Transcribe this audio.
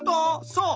そう！